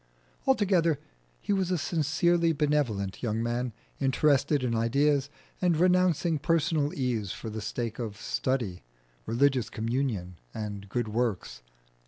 Altogether, he was a sincerely benevolent young man, interested in ideas, and renouncing personal ease for the sake of study, religious communion, and good works.